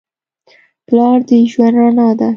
پلار د ژوند رڼا ده.